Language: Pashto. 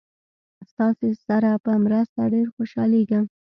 ستاسې سره په مرسته ډېر خوشحالیږم.